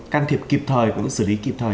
can thiệp kịp thời cũng xử lý kịp thời